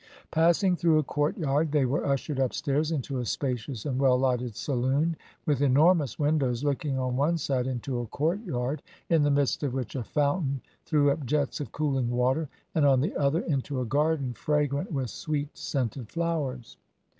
Passing through a courtyard, they were ushered upstairs into a spacious and well lighted saloon, with enormous windows looking on one side into a courtyard, in the midst of which a fountain threw up jets of cooling water, and on the other, into a garden fragrant with sweet scented flowers.